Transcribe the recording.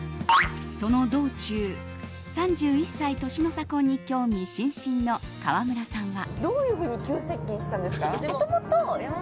その道中、３１歳年の差婚に興味津々の川村さんは。